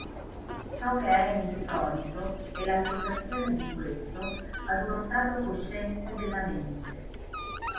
Ciò che è insolito è l'associazione di questo ad uno stato cosciente della mente.